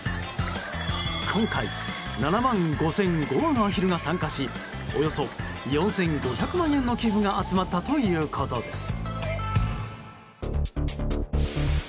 今回７万５００５羽のアヒルが参加しおよそ４５００万円の寄付が集まったということです。